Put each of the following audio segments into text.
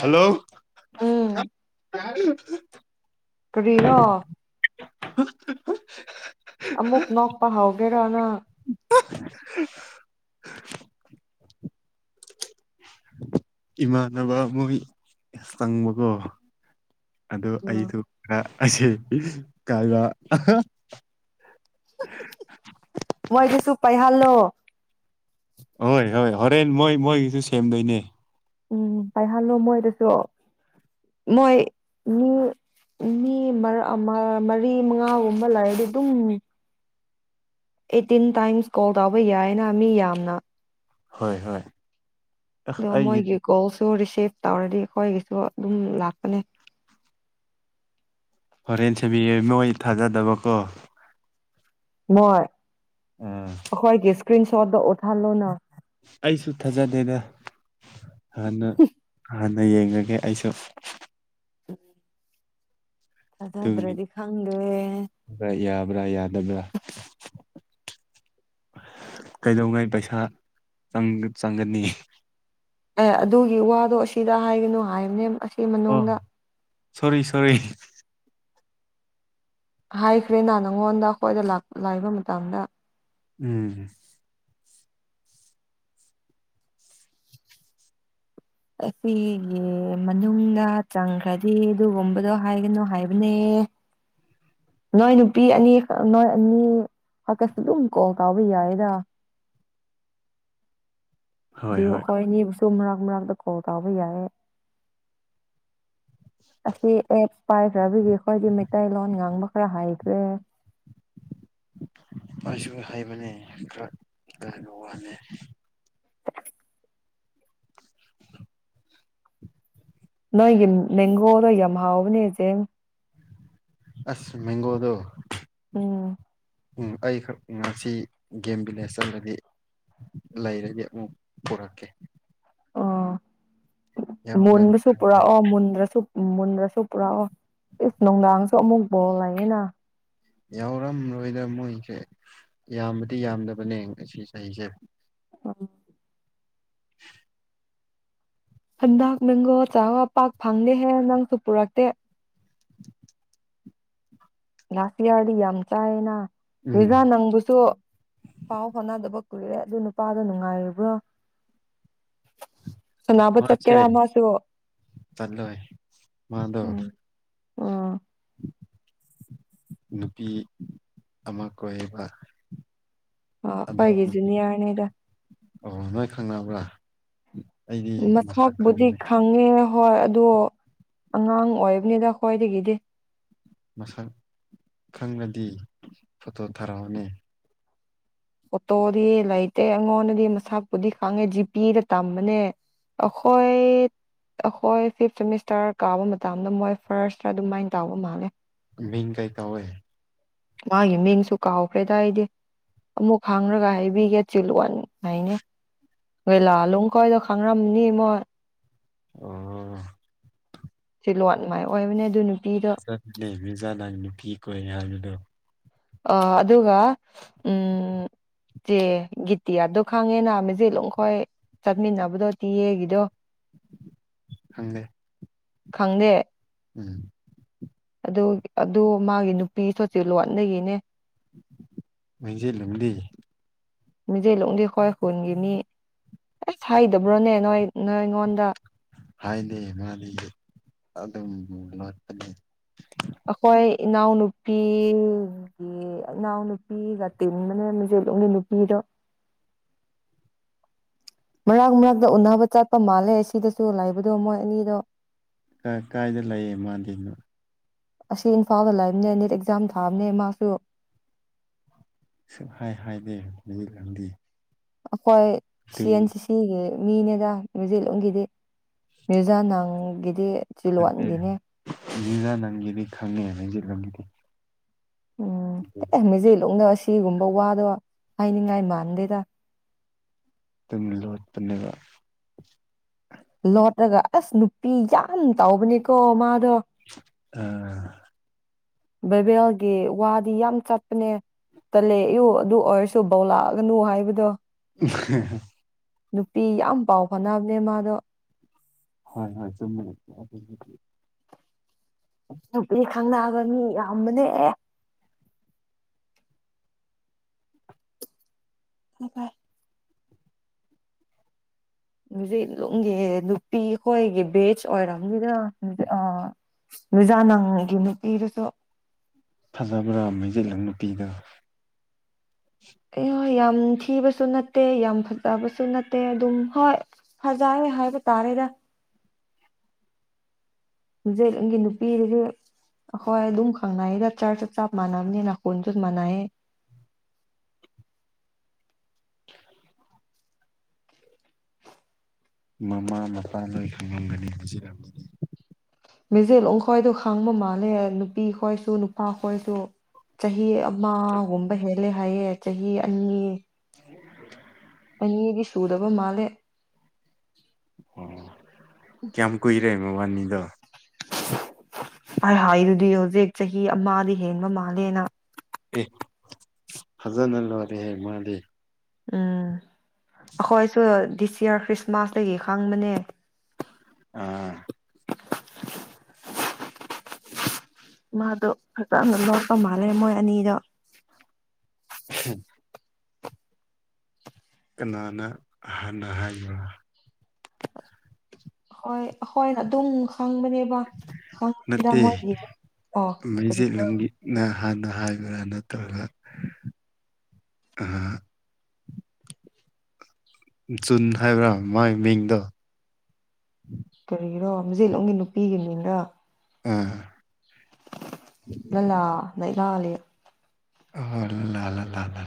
Hello ꯌꯥ [unintelligible] ꯀꯕꯤꯔꯣ ꯑꯃꯃꯨꯛ ꯅꯄ ꯍꯥꯒꯦꯔꯅ [unintelligible] ꯏꯃꯥꯟꯅꯕ ꯑꯃꯣꯏ ꯆꯪꯕꯀꯣ ꯑꯗꯨꯗ ꯎꯝ ꯑꯩꯁꯨ ꯈꯔ ꯑꯁꯤꯁꯦ ꯀꯥꯏꯗ ꯃꯣꯏꯗꯨꯁꯨ ꯄꯥꯏꯍꯜꯂꯣ ꯍꯣꯏ ꯍꯣꯏ ꯍꯣꯔꯦꯟ ꯃꯣꯏ ꯃꯣꯏꯒꯤꯁꯨ ꯁꯦꯝꯗꯣꯏꯅꯦ ꯎꯝ ꯄꯥꯏꯍꯜꯂꯣ ꯃꯣꯏꯗꯁꯨ ꯃꯣꯏ ꯃꯤ ꯃꯤ ꯃꯔꯤ ꯃꯉꯥꯒꯨꯝꯕ ꯂꯩꯔꯗꯤ ꯑꯗꯨꯝ ꯑꯩꯠꯇꯤꯟ ꯇꯥꯏꯝꯁ ꯀꯣꯜ ꯇꯧꯕ ꯌꯥꯏꯌꯦꯅ ꯃꯤ ꯌꯥꯝꯅ ꯍꯣꯏ ꯍꯣꯏ ꯑꯁ ꯑꯩꯒꯤ ꯅꯣꯡꯃꯒꯤ ꯀꯣꯜꯁꯨ ꯔꯤꯁꯤꯞ ꯇꯧꯔꯗꯤ ꯑꯩꯈꯣꯏꯒꯤꯁꯨ ꯑꯗꯨꯝ ꯂꯥꯛꯄꯅꯦ ꯍꯣꯔꯦꯟ ꯁꯦꯝꯕꯤꯌꯦ ꯅꯣꯏ ꯊꯥꯖꯗꯕꯀꯣ ꯃꯣꯏ ꯎꯝ ꯑꯈꯣꯏꯒꯤꯁ ꯏꯁꯀ꯭ꯔꯤꯟꯁꯣꯠ ꯗꯨ ꯎꯠꯍꯜ ꯂꯣꯅ ꯑꯩꯁꯨ ꯊꯥꯖꯗꯦꯗ ꯍꯟꯅ ꯍ ꯍꯟꯅ ꯌꯦꯡꯉꯒꯦ ꯑꯩꯁꯨ ꯑꯟꯑꯣꯗꯤꯕꯜ ꯑꯗꯨꯒꯤ ꯊꯥꯖꯗꯔ꯭ꯗꯤ ꯈꯪꯗ꯭ꯔꯦ ꯑꯟꯏꯟꯇꯦꯜꯂꯤꯖꯦꯕꯜ ꯌꯥꯗꯕꯥ꯭ꯔ ꯀꯩꯗꯧꯉꯩ ꯄꯩꯁꯥ ꯆꯪꯒ ꯆꯪꯒꯅꯤ ꯑꯦ ꯑꯗꯨꯒꯤ ꯋꯥꯗꯣ ꯑꯁꯤꯗ ꯍꯥꯏꯒꯅꯨ ꯍꯥꯏꯕꯅꯦ ꯑꯁ ꯁꯤ ꯑꯣ ꯃꯅꯨꯡꯗ ꯁꯣꯔꯤ ꯁꯣꯔꯤ ꯍꯥꯏꯈ꯭ꯔꯦꯅꯥ ꯅꯪꯉꯣꯟꯗ ꯑꯩꯈꯣꯏꯗ ꯂꯥꯛ ꯂꯥꯏꯕ ꯃꯇꯝꯗ ꯎꯝ ꯑꯁꯤꯒꯤ ꯃꯅꯨꯡꯗ ꯆꯪꯈ꯭ꯔꯗꯤ ꯑꯗꯨꯒꯨꯝꯕꯗꯣ ꯍꯥꯏꯒꯅꯨ ꯍꯥꯏꯕꯅꯦ ꯅꯣꯏ ꯅꯨꯄꯤ ꯑꯅꯤ ꯅꯣꯏ ꯑꯅꯤ ꯈꯛꯛꯇꯁꯨ ꯑꯗꯨꯝ ꯀꯣꯜ ꯇꯧꯕ ꯌꯥꯏꯌꯦꯗ ꯍꯣꯏ ꯕꯨ ꯍꯣꯏ ꯑꯩꯈꯣꯏꯅꯤꯕꯨ ꯁꯨ ꯁꯨꯝ ꯃꯔꯛ ꯃꯔꯛ ꯇ ꯀꯣꯜ ꯇꯧꯕ ꯌꯥꯏꯌꯦ ꯑꯁꯤ ꯑꯦ ꯄꯥꯏꯈ꯭ꯔꯕꯗꯤ ꯑꯩꯈꯣꯏꯗꯤ ꯃꯩꯇꯩꯂꯣꯟ ꯉꯥꯡꯕ ꯈꯔ ꯍꯥꯏꯈ꯭ꯔꯦ ꯑꯩꯁꯨ ꯍꯩꯕꯅꯦ ꯈꯔ ꯏꯀꯥꯏꯕ ꯋꯥꯅꯦ ꯑꯟꯑꯣꯗꯤꯕꯜ ꯅꯣꯏꯒꯤ ꯃꯦꯡꯒꯣꯗꯣ ꯌꯥꯝ ꯍꯥꯎꯕꯅꯦ ꯆꯦꯡ ꯑꯁ ꯃꯦꯡꯒꯣꯗꯣ ꯎꯝ ꯎꯝ ꯑꯩꯈꯛ ꯉꯁꯤ ꯒꯦꯝ ꯚꯤꯂꯦꯖꯇꯗꯗꯤ ꯂꯩꯔꯗꯤ ꯑꯃꯨꯛ ꯄꯨꯔꯛꯀꯦ ꯑꯣ ꯌꯥꯎꯗ꯭ꯔꯗꯤ ꯃꯨꯟꯕꯁꯨꯨꯄꯨꯔꯥ ꯈꯪꯗ꯭ꯔꯦ ꯑꯣ ꯃꯨꯟꯗ꯭ꯔꯁꯨ ꯎꯝ ꯃꯨꯟꯗ꯭ꯔꯁꯨ ꯄꯨꯔꯥꯛ ꯑꯣ ꯏꯁ ꯅꯨꯡꯗꯥꯡꯁꯨ ꯑꯃꯨꯛ ꯕꯣꯜ ꯂꯩꯌꯦꯅ ꯌꯥꯎꯔꯝꯂꯣꯏꯗ ꯃꯣꯏꯁꯦ ꯌꯥꯝꯕꯗꯤ ꯌꯥꯝꯗꯕꯅꯦ ꯉꯁꯤ ꯆꯍꯤꯁꯦ ꯑꯝ ꯑꯟꯑꯣꯗꯤꯕꯜ ꯍꯟꯗꯛ ꯃꯦꯡꯒꯣ ꯆꯥꯕ ꯄꯥꯛ ꯐꯪꯗꯦꯍꯦ ꯅꯪꯁꯨ ꯄꯨꯔꯛꯇꯦ ꯂꯥꯁꯇ ꯏꯌꯥꯔꯗꯤ ꯌꯥꯝ ꯆꯥꯏꯌꯦꯅꯥ ꯎꯝ ꯅꯤꯗꯥ ꯅꯪꯕꯨꯁꯨ ꯄꯥꯎ ꯐꯥꯎꯅꯗꯕ ꯀꯨꯏꯔꯦ ꯑꯗꯨ ꯅꯨꯄꯥꯗꯣ ꯅꯨꯡꯉꯥꯏꯔꯕ꯭ꯔꯣ ꯃꯥꯁꯦꯂꯣꯏ ꯃꯥꯗ ꯑ ꯅꯨꯄꯤ ꯑꯃ ꯀꯣꯏꯕ ꯑ ꯄꯒꯤꯖꯤꯅꯤ ꯌꯥꯅꯦꯗ ꯋꯥ ꯃꯁꯥꯛꯕꯨꯗꯤ ꯈꯪꯉꯦ ꯍꯣꯏ ꯑꯗꯣ ꯑꯉꯥꯡ ꯑꯣꯏꯕꯅꯤꯗ ꯈ꯭ꯋꯥꯏꯗꯒꯤꯗꯤ ꯃꯁꯛ ꯈꯪꯅꯗꯤ ꯐꯣꯇꯣ ꯊꯥꯔꯛꯑꯣꯅꯤ ꯑꯣꯇꯣꯗꯤ ꯂꯩꯇꯦ ꯑꯩꯉꯣꯟꯗꯗꯤ ꯃꯁꯥꯄꯨꯗꯤ ꯈꯪꯉꯦ ꯖꯤꯄꯤꯗ ꯇꯝꯕꯅꯦ ꯑꯩꯈꯣꯏ ꯑꯩꯈꯣꯏ ꯐꯤꯞ ꯁꯦꯃꯤꯁꯇꯔ ꯀꯥꯕ ꯃꯇꯝꯗ ꯃꯣꯏ ꯐꯥꯔꯁ ꯑꯗꯨꯃꯥꯏꯅ ꯇꯥꯎꯕ ꯃꯥꯜꯂꯦ ꯃꯤ ꯀꯩ ꯇ ꯍꯣꯏ ꯃꯥꯒꯤ ꯃꯤꯡꯁꯨ ꯀꯥꯎꯈ꯭ꯔꯦꯗꯥꯏꯗꯤ ꯑꯃꯨꯛ ꯈꯥꯡꯔꯒ ꯍꯥꯏꯕꯤꯒꯦ ꯆꯤꯜꯂꯟ ꯍꯥꯏꯅꯦ ꯑꯩꯣꯏ ꯂꯥꯂꯣꯡ ꯈꯣꯏꯗꯣ ꯈꯥꯡꯔꯝꯅꯤ ꯏ ꯃꯣ ꯑꯣ ꯂꯣꯠ ꯃꯥꯏ ꯑꯣꯏꯕꯅꯦ ꯑꯗꯨ ꯅꯨꯄꯤꯗꯣ [unintelligible] ꯖꯅ ꯀ ꯀꯅꯦ ꯍꯥꯏꯗꯣ ꯑ ꯑꯗꯨꯒ ꯎꯝ ꯆꯦ ꯒꯤꯇꯤꯌꯥꯗꯣ ꯈꯪꯉꯦꯅ ꯃꯦꯆꯦꯠ ꯂꯨꯝ ꯈꯣꯏ ꯆꯠꯃꯤꯟꯅꯕꯗꯣ ꯇꯤꯌꯦꯒꯤꯗꯣ ꯍꯪꯗꯦ ꯈꯪꯗꯦ ꯎꯝ ꯑꯗꯨ ꯑꯗꯨ ꯃꯥꯒꯤ ꯅꯨꯄꯤ ꯁꯣꯠꯁꯤ ꯂꯣꯟꯅꯤ ꯍꯗꯒꯤꯅꯦ ꯃꯖꯠ ꯂꯝꯂꯤ ꯃꯤꯖꯩꯂꯣꯡꯗꯤ ꯍꯣꯏ ꯍꯨꯟꯒꯤꯅꯤ ꯑꯦꯁ ꯍꯩꯗꯕ꯭ꯔꯣꯅꯦ ꯅꯣꯏ ꯅꯣꯏ ꯑꯩꯉꯣꯟꯗ ꯍꯥꯏꯗꯤ ꯃꯥꯗꯤ ꯑꯗꯨꯝ ꯂꯣꯠꯄꯅꯤ ꯑꯩꯈꯣꯏ ꯏꯅꯥꯎꯅꯨꯄꯤꯒꯤ ꯏꯅꯥꯎ ꯅꯨꯨꯄꯤꯒ ꯇꯤꯟ ꯃꯅꯦ ꯃꯆꯦꯂꯣꯡꯒꯤ ꯅꯨꯄꯤꯗꯣ ꯃꯔꯛ ꯃꯔꯛꯇ ꯎꯟꯅꯅꯕ ꯆꯠꯄ ꯃꯥꯜꯂꯦ ꯑꯁꯤꯗꯁꯨ ꯂꯥꯏꯕꯗꯣ ꯃꯣꯏ ꯑꯅꯤꯗꯣ ꯀꯥꯏꯗ ꯂꯩꯌꯦ ꯃꯥꯗꯅꯣ ꯑꯁꯤ ꯏꯝꯐꯥꯜꯗ ꯂꯩꯝꯅꯦ ꯅꯅꯤꯠ ꯑꯦꯛꯖꯥꯝ ꯊꯥꯑꯕꯅꯦ ꯃꯥꯁꯨ ꯁꯛ ꯍꯥꯏ ꯍꯥꯏꯗꯦ ꯅꯨꯃꯤꯠꯂꯗꯤ ꯍꯈꯣꯏ ꯁꯤ ꯑꯦꯟ ꯁꯤ ꯁꯤꯒꯤ ꯃꯤꯅꯦꯗ ꯃ꯭ꯌꯨꯖꯤꯠꯂꯨꯝꯒꯤꯗꯤ ꯃ꯭ꯌꯨꯖꯥ ꯥꯡꯒꯤꯗꯤ ꯅꯦ ꯂꯤꯂ ꯅꯪꯗꯤ ꯈꯪꯦꯖ ꯪꯒꯤꯗꯤ ꯎꯝꯃꯤꯖ ꯂꯅꯦ ꯁꯤꯒꯨꯝꯕ ꯋꯥꯗꯣ ꯍꯥꯏꯅꯤꯡꯉꯥꯏ ꯃꯥꯟꯗꯦꯗ ꯊꯝꯃꯤꯂꯣ ꯕ ꯂꯣꯠ꯭ꯔꯒ ꯑꯁ ꯅꯨꯄꯤ ꯌꯥꯝ ꯇꯥꯎꯕꯅꯦꯀꯣ ꯃꯥꯗꯣ ꯑꯝ ꯕꯩꯕꯦꯜꯒꯤ ꯋꯥꯗꯤ ꯌꯥꯝ ꯆꯠꯄꯅꯦ ꯇꯜꯂꯦꯛꯌꯨ ꯑꯗꯨ ꯑꯣꯏꯔꯁꯨ ꯕꯧ ꯂꯛꯑꯒꯅꯨ ꯍꯥꯏꯕꯗꯣ [unintelligible] ꯅꯨꯄꯤ ꯌꯥꯝ ꯄꯥꯎ ꯐꯥꯎꯅꯕꯅꯦ ꯃꯥꯗꯣ ꯍꯣꯏ ꯍꯣꯏ ꯆꯨꯝꯃꯤ ꯅꯨꯄꯤ ꯈꯪꯅꯛꯑꯕ ꯃꯤ ꯌꯥꯝꯌꯥꯝꯕꯅꯦ ꯑꯣ ꯐ [unintelligible] ꯍꯧꯖꯤꯂꯨꯝꯒꯤ ꯅꯨꯄꯤ ꯑꯩꯈꯣꯏꯒꯤ ꯕꯦꯆ ꯑꯣꯏꯔꯕꯝꯅꯤꯗ ꯑ ꯖꯥ ꯅꯪꯒꯤ ꯅꯨꯄꯤꯗꯨꯁꯨ ꯐꯖꯕ꯭ꯔꯥ ꯃꯩꯖꯤꯠꯂꯪ ꯅꯨꯄꯤꯗ ꯑꯦ ꯍꯣꯏ ꯌꯥꯝ ꯊꯤꯕꯁꯨ ꯅꯠꯇꯦ ꯌꯥꯝ ꯐꯖꯕꯁꯨ ꯅꯠꯇꯦ ꯑꯗꯨꯝ ꯍꯣꯏ ꯐꯖꯣꯏ ꯍꯥꯏꯕ ꯇꯥꯔꯦꯗ ꯍꯧꯖꯤꯛ ꯑꯩꯒꯤ ꯅꯨꯄꯤꯗꯨꯗꯤ ꯑꯩꯈꯣꯏ ꯑꯗꯨꯝ ꯈꯪꯅꯌꯦꯗ ꯆꯔ ꯆꯞ ꯆꯞ ꯃꯥꯟꯅꯕꯅꯦ ꯅꯥ ꯈꯨꯟꯁꯨ ꯃꯥꯟꯅꯩꯑꯦ ꯃꯃꯥ ꯃꯄꯥ ꯅꯣꯏ ꯈꯪꯂꯝꯒꯅꯤ ꯄꯨꯖꯤꯔꯅꯤ ꯃꯦꯖꯦꯂꯣꯡ ꯈꯣꯏꯗꯣ ꯈꯥꯡꯕ ꯃꯥꯜꯂꯦ ꯅꯨꯄꯤ ꯈꯣꯏꯁꯨ ꯅꯨꯄꯥ ꯈꯣꯏꯁꯨ ꯆꯍꯤ ꯑꯣꯝꯕ ꯍꯦꯜꯂꯦ ꯍꯥꯏꯌꯦ ꯆꯍꯤ ꯑꯅꯤ ꯑꯅꯤꯗꯤ ꯁꯨꯗꯕ ꯃꯥꯜꯂꯦ ꯑꯣ ꯀꯌꯥꯝ ꯀꯨꯏꯔꯦ ꯃꯕꯥꯅꯤꯗꯣ ꯑ ꯍꯥꯏꯗꯨꯗꯤ ꯍꯧꯖꯤꯛ ꯆꯍꯤ ꯑꯃꯗꯤ ꯍꯦꯟꯕ ꯃꯥꯜꯂꯦꯅ ꯐꯖꯅ ꯂꯣꯏꯔꯦ ꯍꯦ ꯃꯥꯗꯤ ꯎꯝ ꯑꯩꯈꯣꯏꯁꯨ ꯗꯤꯁ ꯌꯌꯥꯔ ꯈ꯭ꯔꯤꯁꯃꯥꯁꯇꯒꯤ ꯈꯪꯕꯅꯦ ꯑꯥ ꯃꯥꯗꯣ ꯐꯖꯅ ꯂꯣꯛꯄ ꯃꯥꯜꯂꯦ ꯃꯣꯏ ꯑꯅꯤꯗꯣ ꯎꯝ ꯀꯅꯥꯅ ꯍꯅ ꯍꯥꯏꯕ ꯍꯣꯏ ꯑꯩꯈꯣꯏꯅ ꯑꯗꯨꯝ ꯈꯪꯕꯅꯦꯕ ꯈꯪꯕꯅꯤꯗ ꯅꯠꯇꯦ ꯃꯣꯏꯒꯤ ꯑꯣ ꯀꯔꯤꯅ ꯃꯩꯖꯤꯠꯂꯝꯒꯤꯅ ꯍꯥꯟꯅ ꯍꯥꯏꯕ꯭ꯔꯥ ꯅꯠꯇ꯭ꯔꯒ ꯖꯨꯟ ꯍꯥꯏꯕ꯭ꯔꯥ ꯃꯥꯒꯤ ꯃꯤꯡꯗꯣ ꯀꯔꯤꯔꯣ ꯃꯖꯤꯠꯂꯣꯝꯒꯤ ꯅꯨꯄꯤꯒꯤ ꯃꯤꯡꯅ ꯎꯝ ꯂ ꯂ ꯂꯩ ꯂꯤ ꯑꯣꯏꯔꯕꯨ ꯂ ꯂ ꯂꯗ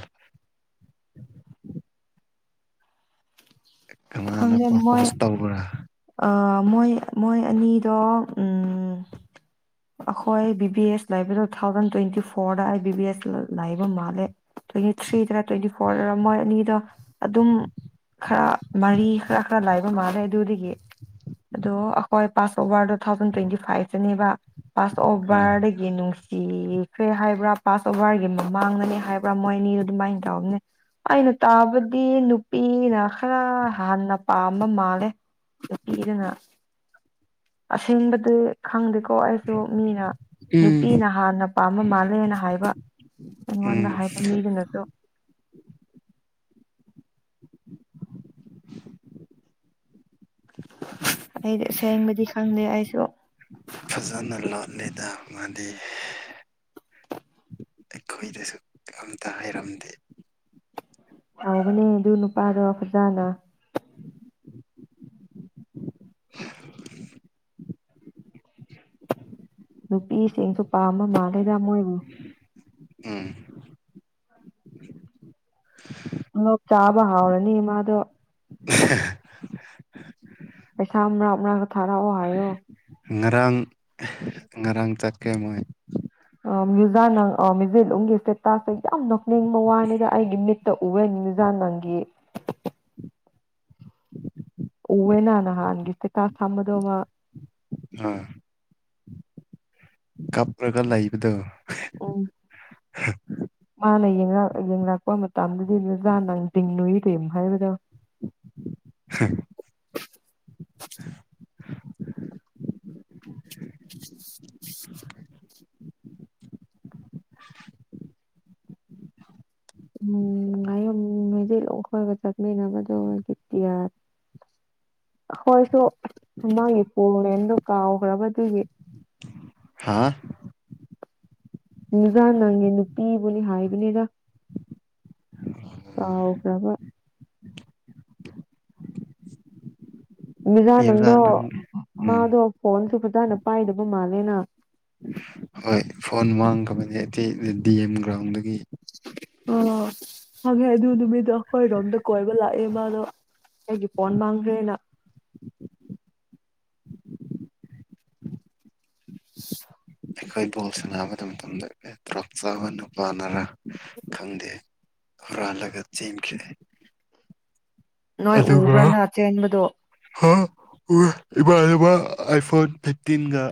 ꯀꯅꯥꯅ ꯈꯪꯗꯦ ꯃꯣꯏ ꯄ꯭ꯔꯄꯣꯁ ꯇꯧꯕ꯭ꯔꯥ ꯃꯣꯏ ꯃꯣꯏ ꯑꯅꯤꯗꯣ ꯑꯩꯈꯣꯏ ꯕꯤ ꯕꯤ ꯑꯦꯁ ꯂꯩꯕꯗ ꯇꯨ ꯊꯥꯎꯖꯟ ꯇ꯭ꯋꯦꯟꯇꯤ ꯐꯣꯔꯗ ꯑꯩ ꯕꯤ ꯕꯤ ꯑꯦꯁ ꯂꯥꯏꯕ ꯃꯥꯜꯂꯦ ꯇ꯭ꯋꯦꯟꯇꯤ ꯊ꯭ꯔꯤꯗꯔ ꯇ꯭ꯋꯦꯟꯇꯤ ꯐꯣꯔꯗꯔ ꯃꯣꯏ ꯑꯅꯤꯗꯣ ꯑꯗꯨꯝ ꯈꯔ ꯃꯔꯤ ꯈꯔ ꯈꯔ ꯂꯥꯏꯕ ꯃꯥꯜꯂꯦ ꯑꯗꯨꯗꯒꯤ ꯑꯗꯣ ꯑꯩꯈꯣꯏ pass over two thousand twenty ꯐꯥꯏꯚꯇꯅꯦꯕ ꯄꯥꯁ ꯑꯣꯕꯔꯦꯒꯅꯨ ꯁꯤꯈ꯭ꯔꯦ ꯍꯥꯏꯕ꯭ꯔꯥ ꯄꯥꯁ ꯑꯣꯚꯔꯒꯤ ꯃꯃꯥꯡꯗꯅꯦ ꯍꯥꯏꯕ꯭ꯔꯥ ꯃꯣꯏ ꯑꯅꯤ ꯑꯗꯨꯃꯥꯏꯅ ꯇꯧꯕꯅꯦ ꯑꯩꯅ ꯇꯥꯕꯗꯤ ꯅꯨꯄꯤꯅ ꯈꯔ ꯍꯥꯟꯟꯅ ꯄꯥꯝꯕ ꯃꯥꯜꯂꯦ ꯤ ꯏꯉ ꯑꯁꯦꯡꯕꯗꯤ ꯈꯪꯗ ꯀꯣ ꯑꯩꯁꯨ ꯃꯤꯅ ꯎꯝ ꯅꯨꯄꯤꯅ ꯍꯥꯟꯅ ꯄꯥꯝꯕ ꯃꯥꯜꯂꯦꯅ ꯍꯥꯏꯕ ꯑꯩꯉꯣꯟꯗ ꯎꯝ ꯍꯥꯏꯕ ꯃꯤꯗꯨꯅꯁꯨ [inaudible] ꯑꯩꯗꯤ ꯁꯦꯡꯕꯗꯤ ꯈꯪꯗꯦ ꯑꯩꯁꯨ ꯅꯦꯇꯥ ꯉꯥꯟꯗꯤ ꯑꯩꯈꯣꯏꯗꯁꯨ ꯑꯝꯇ ꯍꯥꯏꯔꯝꯗꯦ ꯍꯧꯒꯅꯦ ꯑꯗꯨ ꯅꯨꯄꯥꯗꯣ ꯐꯖꯥꯅ [inaudible] ꯅꯨꯄꯤꯁꯤꯡꯁꯨ ꯄꯥꯝꯕ ꯃꯥꯜꯂꯦ ꯔꯃꯣꯏꯕ ꯎꯝ ꯂ ꯆꯥꯕ ꯍꯥꯎꯔꯅꯤ ꯃꯥꯗꯣ꯫ ꯍꯦꯍꯥ ꯄꯩꯁꯥ ꯑꯃ ꯊꯔꯑꯣ ꯍꯥꯏꯌꯣ꯫ ꯉꯔꯥꯡ ꯉꯔꯥꯡ ꯆꯠꯀꯦ ꯃꯣꯏ꯫ ꯃ꯭ꯌꯨꯖꯥꯅ ꯃꯌꯨꯖꯦꯂꯝꯒꯤꯁꯦ ꯇꯥꯁ ꯌꯥꯝ ꯅ ꯅꯤꯡꯕ ꯋꯥꯅꯤꯗ ꯑꯩꯒꯤ ꯃꯤꯠ ꯎꯕ ꯅꯤꯡꯖ ꯅꯪꯒꯤ ꯎꯋꯦꯅ ꯅꯥꯍꯟꯒꯤꯁꯤ ꯀꯥ ꯁꯝꯕꯗ ꯃꯥ ꯑꯥ꯫ ꯀꯞ꯭ꯄꯔꯒ ꯂꯩꯕꯗꯨ꯫ ꯎꯝ ꯃꯥꯅ ꯌꯦꯡꯉꯥꯛꯄ ꯃꯇꯝꯗꯗꯤ ꯅꯖꯥ ꯅꯪ ꯇꯤꯡꯂꯨꯏ ꯀ ꯍꯥꯏꯕꯗꯣ꯫ ꯍꯦ ꯎꯝ ꯉꯥꯌꯨꯝ ꯍꯥꯏꯗꯤꯂ ꯑꯩꯈꯣꯏꯒ ꯆꯠꯃꯤꯟꯅꯕꯗꯣꯒꯤꯇꯤꯌꯥ ꯑꯩꯈꯣꯏꯁꯨ ꯃꯃꯥꯡꯒꯤ ꯄꯣ ꯃꯦꯝꯗ ꯀꯥꯎꯈ꯭ꯔꯕꯗꯨꯒꯤ ꯍꯥꯥ ꯖꯥ ꯅꯪꯉꯦ ꯅꯨꯄꯤꯕꯨꯅꯤ ꯍꯥꯏꯕꯅꯤꯗ꯫ ꯀꯥꯑꯣꯈ꯭ꯔꯕ꯫ ꯖ ꯃꯤꯕꯗ ꯅꯪꯗꯣ ꯅꯪ ꯃꯥ ꯎꯝ ꯑꯗꯣ ꯐꯣꯟꯁꯨ ꯐꯖꯅ ꯄꯥꯏꯗꯕ ꯃꯥꯜꯂꯦꯅ꯫ ꯍꯣꯏ ꯐꯣꯟ ꯃꯥꯡꯈ꯭ꯔꯕꯅꯦ ꯑꯇꯩ ꯗꯤ ꯑꯦꯝ ꯒ꯭ꯔꯥꯎꯟꯗꯒꯤ꯫ ꯑ ꯍꯪꯉꯦ ꯑꯗꯨ ꯅꯨꯃꯤꯠꯇꯣ ꯑꯩꯈꯣꯏꯔꯣꯝꯗ ꯀꯣꯏꯕ ꯂꯥꯛꯑꯦ ꯃꯥꯗꯣ ꯑꯩꯒꯤ ꯐꯣꯟ ꯃꯥꯡꯈ꯭ꯔꯦꯅ꯫ ꯑꯩꯈꯣꯏ ꯕꯣꯜ ꯁꯥꯟꯅꯕ ꯃꯇꯝꯗ ꯑꯩꯈ ꯇꯔꯞ ꯆꯥꯕ ꯅꯨꯄꯥꯅꯔꯥ ꯈꯪꯗꯦ ꯍꯨꯔꯥꯜꯂꯒ ꯆꯦꯟꯈꯔꯦ꯫ ꯅꯣꯏ ꯎꯕ꯭ꯔꯅ ꯆꯦꯟꯕꯗꯣ꯫ ꯑꯣ ꯏꯕꯕ ꯑꯥꯏ ꯐꯣꯟ ꯐꯤꯞꯇꯤꯟꯒ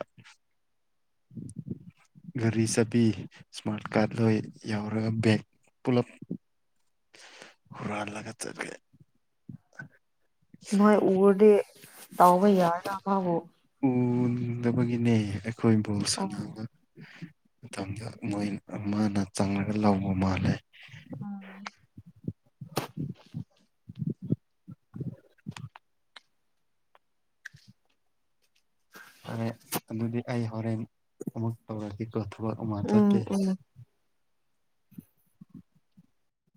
ꯒꯥꯔꯤ ꯆꯠꯄꯤ ꯏꯁꯃꯥꯔꯠ ꯀꯥꯔꯗ ꯂꯣꯏ ꯌꯥꯎꯔꯒ ꯕꯦꯒ ꯄꯨꯂꯞ ꯍꯨꯔꯥꯜꯂꯒ ꯆꯠꯂꯦ꯫ ꯅꯣꯏ ꯎꯔꯗꯤ꯫ ꯇꯥꯎꯕ ꯌꯥꯔ ꯃꯥꯕꯨ꯫ ꯎꯗꯕꯒꯤꯅꯦ ꯑꯩꯈꯣꯏ ꯕꯥꯜ ꯑꯣ ꯁꯥꯟꯅꯕ ꯃꯇꯝꯗ ꯃꯣꯏ ꯃꯥꯅ ꯆꯪꯉꯒ ꯂꯧꯕ ꯃꯥꯜꯂꯦ꯫ ꯑꯁ ꯐꯔꯦ ꯑꯗꯨꯗꯤ ꯑꯩ ꯍꯣꯔꯦꯟ ꯑꯃꯨꯛ ꯇꯧꯔꯒꯦ ꯊꯕꯛ ꯑꯃꯥ ꯆꯠꯀꯦ ꯎꯝ ꯎꯝ